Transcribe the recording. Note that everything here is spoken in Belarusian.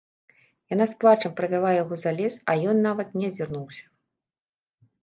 Яна з плачам правяла яго за лес, а ён нават не азірнуўся.